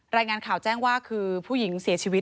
รายงานข่าวแจ้งว่าคือผู้หญิงเสียชีวิต